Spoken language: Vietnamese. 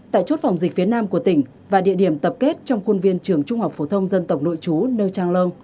tại chốt phòng dịch phía nam của tỉnh và địa điểm tập kết trong khuôn viên trường trung học phổ thông dân tộc nội chú nơi trang lưng